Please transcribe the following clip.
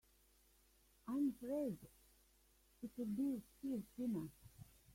I'm afraid it'll be Steve Tina.